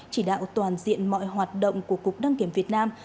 chỉ đạo toàn diện mọi hoạt động của cục đăng kiểm việt nam